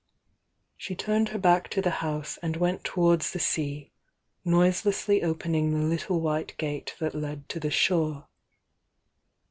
She turned her back to the house and went towards the sea, noiselessly opening the little white gate that led to the shore.